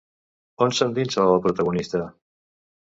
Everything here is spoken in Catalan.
On s'endinsa el protagonista?